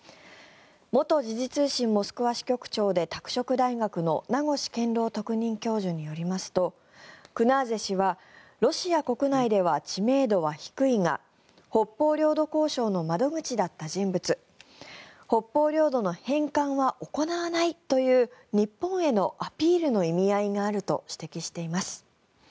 元時事通信モスクワ支局長で拓殖大学の名越健郎特任教授によりますとクナーゼ氏はロシア国内では知名度は低いが北方領土交渉の窓口だった人物北方領土の返還は行わないという日本へのアピールの意味合いがあると指摘しています。